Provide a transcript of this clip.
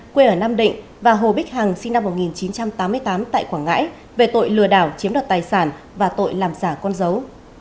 quê ở nam định và hồ bích hằng sinh năm một nghìn chín trăm tám mươi tám tại quảng ngãi về tội lừa đảo chiếm đoạt tài sản và tội làm giả con dấu